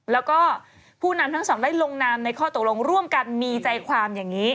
แล้วก็ผู้นำทั้งสองได้ลงนามในข้อตกลงร่วมกันมีใจความอย่างนี้